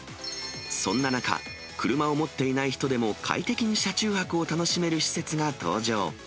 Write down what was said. そんな中、車を持っていない人でも、快適に車中泊を楽しめる施設が登場。